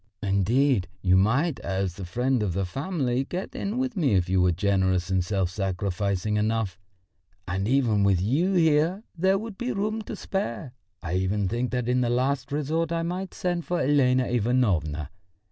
Indeed, you might, as the friend of the family, get in with me if you were generous and self sacrificing enough and even with you here there would be room to spare. I even think that in the last resort I might send for Elena Ivanovna.